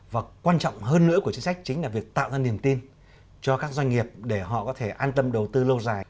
và quan trọng hơn nữa của chính sách chính là việc tạo ra niềm tin cho các doanh nghiệp để họ có thể an tâm đầu tư lâu dài